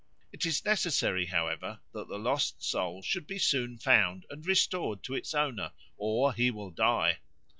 It is necessary, however, that the lost soul should be soon found and restored to its owner or he will die.